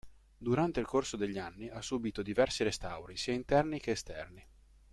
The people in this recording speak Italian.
Durante il corso degli anni ha subito diversi restauri sia interni che esterni.